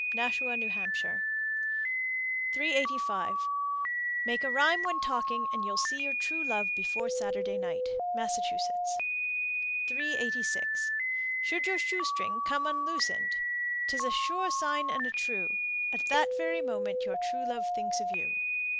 Nashua, N.H. 385. Make a rhyme when talking, and you'll see your true love before Saturday night. Massachusetts. 386. Should your shoestring come unloosened, 'T is a sure sign and a true, At that very moment Your true love thinks of you.